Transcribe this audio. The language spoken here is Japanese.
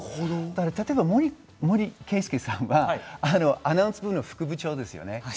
例えば森圭介さんはアナウンス部の副部長ですよね。